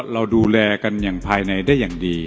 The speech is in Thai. เราดูแลกันอย่างภายในได้อย่างดี